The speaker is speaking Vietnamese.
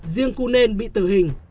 riêng cunên bị tử hình